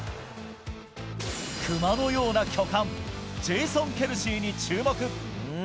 熊のような巨漢、ジェイソン・ケルシーに注目。